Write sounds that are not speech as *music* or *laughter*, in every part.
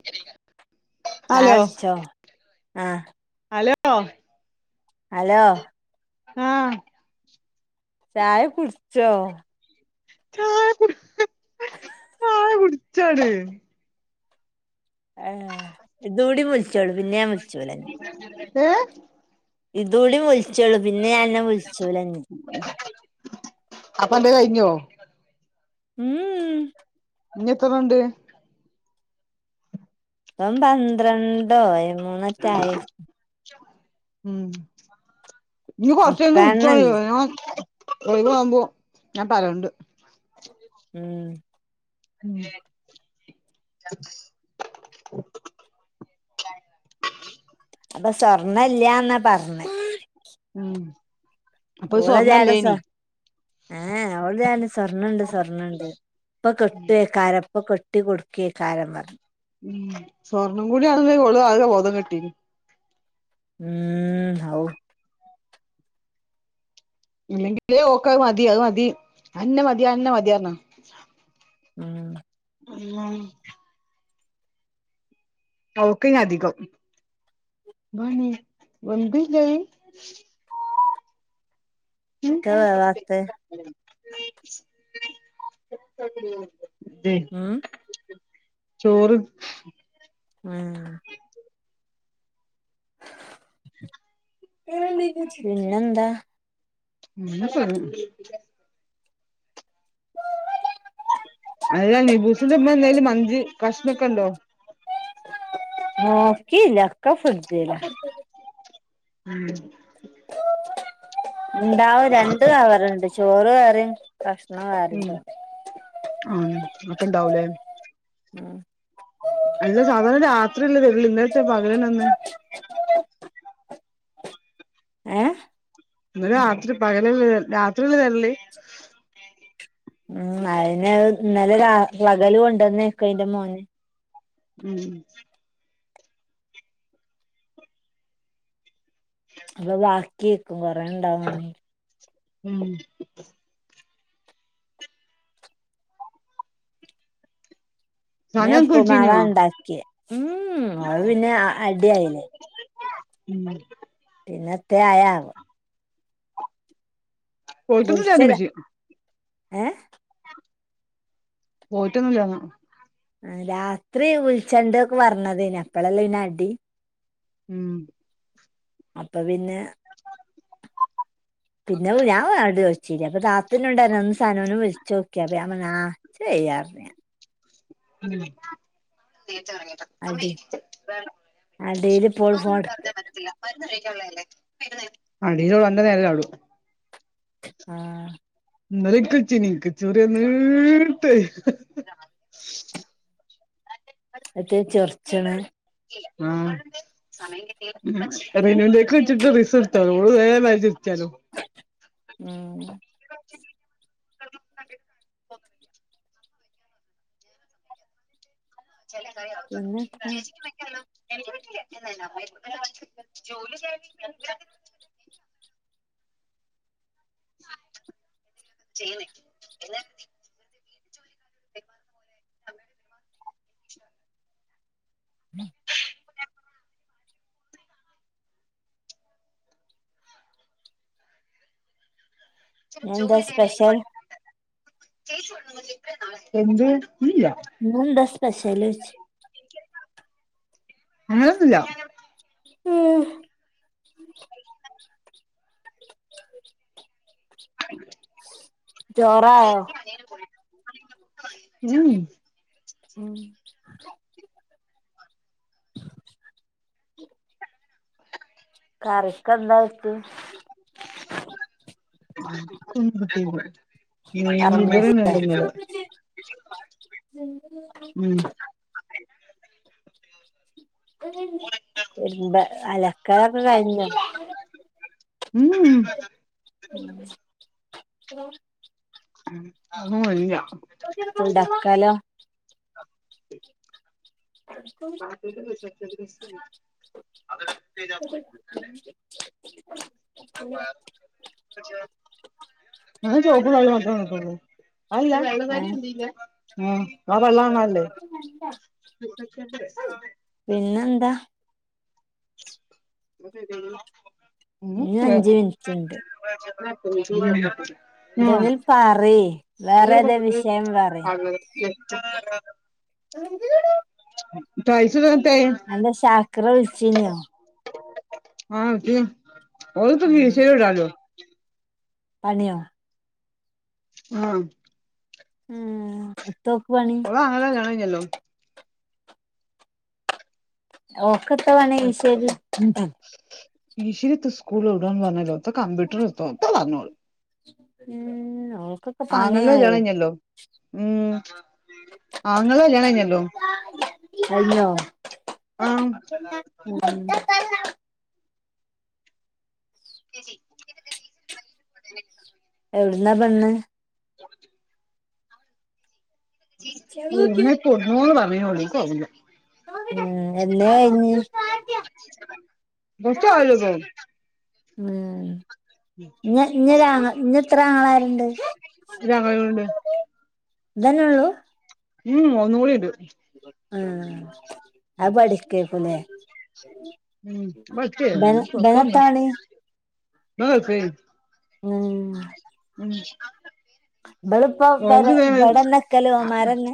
*unintelligible* Hello ചായുടിച്ചോ? ആഹ് hello hello ആഹ് ചായ കുടിച്ചോ? *unintelligible* *unintelligible* ആഹ് കുടിച്ചാട്. ഏഹ് ഇതൂടി വിളിച്ചോളു പിന്നെ ഞാൻ വിളിച്ചൂല ഏഹ് ഇതൂടി വിളിച്ചുളൂ പിന്നെ ഞാൻ അന്നെ വിളിച്ചൂലാ എനി. അപ്പോ അന്റെ കഴിഞ്ഞോ? ഉം ഉം ഇനി എത്രണ്ണം ഉണ്ട്? ഇപ്പം പന്ത്രണ്ടോ പതിമൂന്നൊറ്റേ ആയേ. ഉം ഇജ്ജ് കുറച്ച് കഴിഞ്ഞിട്ട് മുപ്പെണ്ണല്ലേ വിളിച്ചോണ്ട് ഞാ ഒഴിവാകുമ്പോ ഞാൻ പറയണ്ട്. ഉം *unintelligible* അപ്പോ സ്വർണ്ണല്ലാന്നാ പറഞ്ഞെ. ഉം അപ്പോ ഓള് ലേലം സ്വ സ്വർണ്ണല്ലേനി ഏഹ് അവളോട് ഞാ പറഞ്ഞ് സ്വർണ്ണണ്ട് സ്വർണ്ണണ്ട് ഇഇപ്പോ കിട്ടുവേക്കാരം ഇപ്പോ കിട്ട ട്ടി കൊടുക്കേക്കാരം പറഞ്ഞ്. ഉം സ്വർണം കൂടി ആകുമ്പോ ഓള് ആകെ ബോധം കെട്ടിനി. ഉം ഔ ഇല്ലെങ്കിലേ ഓക്കത് മതി അത് മതി അയന്നെ മതി അയന്നെ മതി പറഞ്ഞാ. ഉം *unintelligible* *unintelligible* അധികം *unintelligible* വെന്തില്ലേ *unintelligible* *unintelligible* വേവാത്തേ? ഉം *unintelligible* ചോറ്. ഉം പിന്നെന്താ? *unintelligible* അല്ല നിബൂസിന്റെ ഉമ്മ എന്തേലും മഞ്ച് കഷ്ണമൊക്കെ ഉണ്ടോ? നോക്കിയില്ല ഒക്കെ ഫ്രിഡ്ജിലാ. ഉം ഇണ്ടാവും രണ്ടു കവറിണ്ട് ചോറ് വേറെയും കഷ്ണം വേറെണ്ടാവും. ഉം അപ്പോ ഇണ്ടാവൂലേ? ഉം അല്ല സാധാരണ രാത്രിയല്ലേ തരുവൊള്ളൂ ഇന്നെന്തേ പകലന്നെ തന്നേ? ഏഹ് ഇന്നലെ രാത്രി പകലല്ലേ രാത്രി അല്ലേ തരല്? ഉം അയിന് അത് ഇന്നലെ രാ പകല് കൊണ്ടന്നേക്കും അയിന്റെ മോന്. ഉം അപ്പൊ ബാക്കിയേക്കും കൊറെ ഇണ്ടാവാണെ ഉം ഞാൻ സനു അനക്ക് ഉപ്പുമാവ് വിളിച്ചീനോ ഉണ്ടാക്കിയേ ഉം അവള് പിന്നെ അടിയായില്ലേ ഉം പിന്നത്തെ ആയാവോ പോയിട്ടൊന്നുല്ലാന്ന് ബുളിച്ചല ഉമ്മച്ചി ഏഹ്‌ പോയിറ്റൊന്നില്ലാന്നേ രാത്രി വിളിച്ചണ്ടാ ഒക്കെ പറഞ്ഞതേനി അപ്പളല്ലേ പിന്നെ അടി ഉം അപ്പൊ പിന്നെ പിന്നെ ഞാൻ വട് ചോച്ച ശരി അപ്പൊ താത്തില് ഉണ്ടായിരോന്ന് സനോനും വിളിച്ചു നോക്കിയ അപ്പ അമ്മനാ ചെയ്യാറ നേച്ച ഇറങ്ങിയതാ അട് അമ്മേ വേണം അടീല് ഇപ്പോൾ അങ്ങനെ ഫോൺ ഒന്നും എടുക്ക പറഞ്ഞാൽ പറ്റത്തില്ല മരുന്നു കഴിക്കാനുള്ളതല്ലേ അടിയിലോളു എന്റെ നേരാടൂ ആഹ് നല കച്ചി നീക്ക് ചെറിയ നീരിട്ടേ ആത് ചർച്ചണ ആഹ് സമയം കിട്ട റിനുവിന്റെേക്കക്ക് വെച്ചിട്ട് റിസ് എടുത്താലോ ഓ വേറെ മതിച്ചാലോ *unintelligible* *unintelligible* ച കറി ആ പിന്നെത്താ മക്കല്ലോ *unintelligible* എനിക്ക് പട്ടില്ല നമ്മ ജോലി്യ ചെയ എല്ല ഉ *unintelligible* *unintelligible* *inaudible* ഇന്നെന്താ സ്പെഷ്യൽ *unintelligible* എന്ത് ഇല്ല നന്ത സ്പശല് വെച്ച അങ്ങനൊന്നുല്ല ഉം *inaudible* ആ *unintelligible* ഉ *unintelligible* ഉം *unintelligible* ഉം *unintelligible* *inaudible* കറിക്ക എന്താ വട്ട് ഉം *unintelligible* *unintelligible* കറ്മൂസ വേറേന ഉം എരുമ്പ അലക്കടൊക്കെ കഴിഞ്ഞു ഉം ഉം *unintelligible* അഞ്ച *unintelligible* തുടാക്കാലോ ആഹ് *unintelligible* *unintelligible* അത് പോയി *unintelligible* ചപ്പ മാത്ര അ *unintelligible* ഏ ആ വെള്ളന്നല്ലേ പിന്നെ എന്താ ഇനി അഞ്ച് ഉ മിനിറ്റ് ഉണ്ട് *unintelligible* ഇതെങ്ക പറി വേറെ ഏതെ വിഷയം പറ എ എന്റെ ശാക്ര വിൾച്ചിനോ ആച്ച പ്പ ഉം ശഇടാലോ പണിയോ ആഹ് ഉം തോക്ക് പണി ഓളും ആങ്ങളയും ഇങ്ങളെന്നെ ഉള്ളൂ ഓക്കട്ട് വേണെ ഈശരി ഈ ശിരിത്ത് സ്കൂൾ എവിടാന്ന് പറഞ്ഞാല് ഇത് കമ്പ്യൂട്ടർ *unintelligible* ഒക്കെ പറഞ്ഞോൾ ഉം ഓൾക്ക് ആങ്ങൾന്റെ കല്യാണം കഴിഞ്ഞല്ലോ ഉം ആങ്ങളടെ കല്യാണം കഴിഞ്ഞല്ലോ കഴിഞ്ഞോ ആ *unintelligible* *inaudible* എവിടുന്നാ പെണ്ണ് *inaudible* എന്നേ പൊന്നോ പറഞ്ഞോളൂ എനിക്ക് ഓർമയില്ല ഉം എന്നേ കഴിഞ്ഞ് കുറച്ച് ആയില്ലപ്പം ഉം ഇ ഇഞ്ഞൊരു ഇഞ്ഞ് എത്ര ആങ്ങളര്ണ്ട് ഞങ്ങളുണ്ട് ഇതന്നെള്ളൂ ഉം ഒന്ന്കൂടിണ്ട് ആഹ അപടികേക്കുല്ലേ ഉം പറ്റേ ബന പൊക്കണ്ടോ ബനത്താണി ഗൾഫേ. ഉം ഉം ഇബളുപ്പം ഓൾക്ക് പെരെ ഇതേ ഇവെടെന്നെ നിക്കല് ഓമ്മാരന്നെ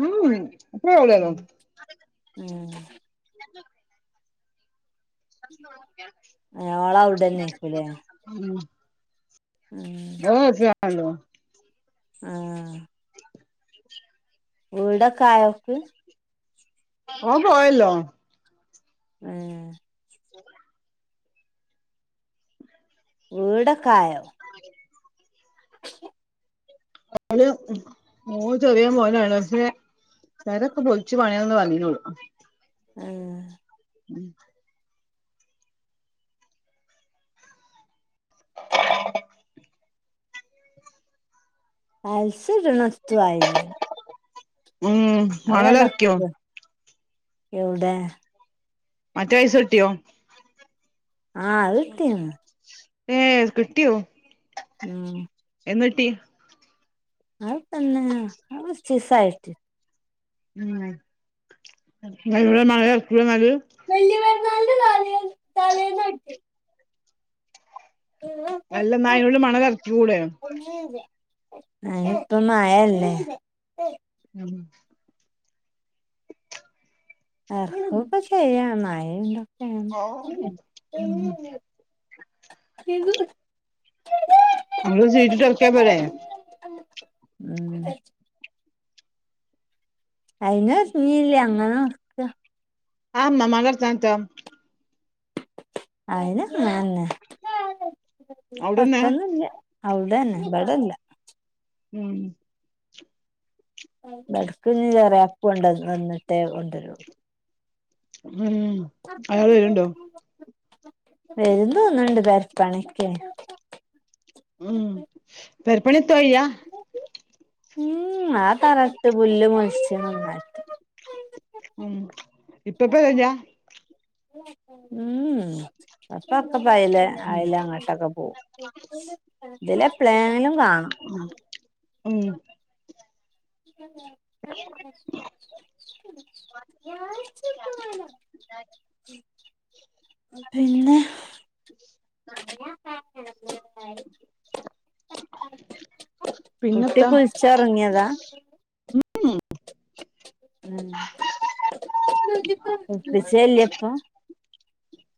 ഉം അത്രേ ആവുലലോ ഉം ഞങ്ങളും *unintelligible* ഓള് അവിടെന്നെ ആയിരിക്കുലെ ഉം ചെയ്യാലോ ആഹ് വീടൊക്കെ ആയോക്ക് ഓൻ പോയല്ലോ ഉം *inaudible* വീടക്കായോ *unintelligible* മോൻ ചെറിയ മോനാണ് പക്ഷെ പെര ഇപ്പോ പൊളിച്ചു പാണിയാന്ന് പറഞ്ഞേയുള്ളു ഉം ഉം അൽസിടണൊത്തു ആയിലെ ഉം മണലെറക്കിയോ *unintelligible* എവിടെ മറ്റേ പൈസ കിട്ടിയോ ആഹ് അത് കിട്ടി ഏഹ് കിട്ടിയോ മ് എന്ന് പറ്റി ചീസആയിട്ട് ഉം ഇവിടെ മഴ *unintelligible* വല്യ പെരുന്നാളിന്റെ തലേ തലേന്ന് തൊട്ട് അല്ല ന്നാ അയ്നോട് മണലെർക്ക് യൂടെ ഒന്നു ഇല്ല അയിന് ഇപ്പം മയയല്ലേ ഉം ഇറക്കുക ചെയ്യാം മയയൊണ്ട് ഓ *inaudible* *unintelligible* നമ്മള് ഇത് ചെയ്തിട്ട് എറക്കിയ പോരെ ഉം അയിന് ഒരങ്ങില്ല്യ ഒര്ങ്ങണം ആ *unintelligible* എട്ത്ത് *unintelligible* അയിന് അങ്ങനെനന്നേ അവിടെന്നെ കൊഴപ്പൊന്നുല്ല അവട അന്നെ ഇവിടല്ല ഉം *unintelligible* എന്നിട്ടേ കൊണ്ടരു ഉം അയാള് വര്ണ്ടോ വരും തോന്നുണ്ട് പെരപ്പണിക്കെ ഉം പെരപ്പണി എത്തും ആയിയ്യാ ഉം ആ തറട്ട് പുല്ല് മൊൾച്ചത് നന്നായി ഉം ഇപ്പപ്പ വരാ ഉം പപ്പക്കെ പയല അയല അങ്ങോട്ടക്ക പോവും ഇതിലെ എപ്ലെലും കാണും ഉം *unintelligible* പിന്നെ *unintelligible* കുട്ടി പിന്നെത്താ കുൾച്ച് ഒറങ്ങിയതാ ഉം കൂൾപ്പിച്ചേല്യേ ഇപ്പം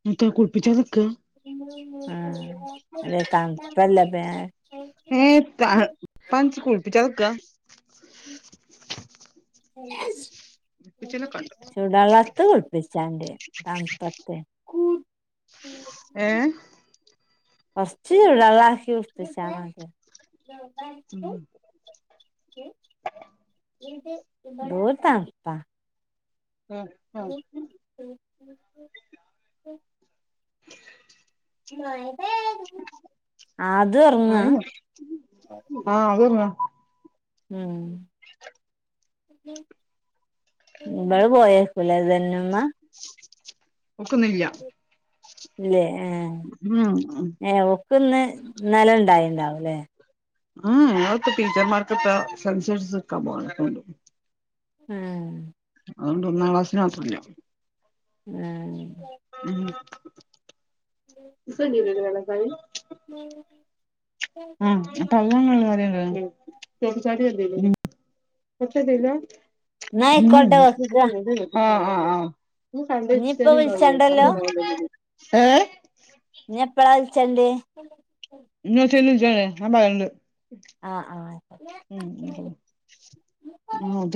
*unintelligible* കുളിപ്പിച്ച നിക്കാ ആ അതെ തണുപ്പല്ലേ *unintelligible* ഏ *unintelligible* കുളിപ്പിച്ച നിക്ക്കാ ഉം കുളിപ്പിച്ചലൊക്കെ ഉണ്ട്. ചൂട് വെള്ളത്ത് കുളിപ്പിച്ചാണ്ടി തണുപ്പത്ത് ഏഹ് കൊറച്ച് ചൂട് വെള്ളാക്കി കൂൾപ്പിച്ചാ മതി ഉം എന്തോരു തണുപ്പാ ഉം ആഹ് *unintelligible* ആദ്യം ഒറങ്ങാ മഴയോ ആഹ് അത് തന്നെ ഉം ഇങ്ങള് പോയാൽ പിള്ളാര്‌ തന്നെ *unintelligible* ഒക്കുന്നില്ല ഇല്ലേ ആഹ് ഉം എ ഓക്കിന്ന് ഇന്നല ഉണ്ടായിണ്ടാവും ഇല്ലേ ആഹ് ഞങ്ങക്ക്‌ ടീച്ചർമാർക്കിപ്പോ സെൻസേഴ്സ്ടുക്കാൻ പോണെ കൊണ്ട് ആഹ് അതുകൊണ്ട് ഒന്നാം ക്ലാസിന് മാത്രം ഇല്ല ഏ ഉം *unintelligible* ആഹ് അപ്പൊ *unintelligible* *unintelligible* ഇന്നാ ആയിക്കോട്ടെ വെക്കാ ആഹ് ആഹ് ആഹ് ഇഞ്ഞിപ്പ വിളിച്ചണ്ടല്ലോ *unintelligible* ഏ ഇനി എപ്പളാ വിളിച്ചണ്ടിയെ എന്നാ ശെരി വെച്ചേരെ ഞാൻ പറയണ്ട് ആഹ് ആഹ് ആഹ് അതെ